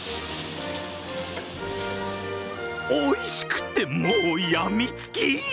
おいしくて、もう病みつき。